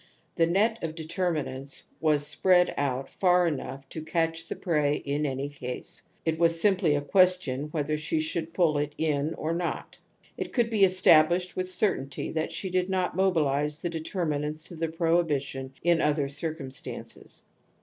The net of determinants was spread out far enough to catch the prey in any case, it was simply a question ^ whether she should pull it in or not. It could be established with certainty that she did not mobilize the determinants of the prohibition in other circumstances.